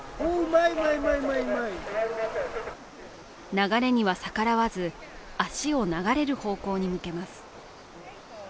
流れには逆らわず、足を流れる方向に向けます。